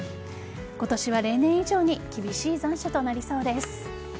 今年は例年以上に厳しい残暑となりそうです。